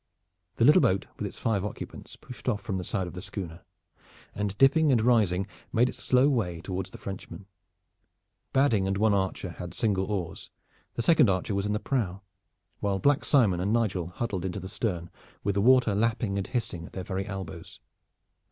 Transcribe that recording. The little boat with its five occupants pushed off from the side of the schooner, and dipping and rising, made its slow way toward the Frenchman. Badding and one archer had single oars, the second archer was in the prow, while Black Simon and Nigel huddled into the stern with the water lapping and hissing at their very elbows.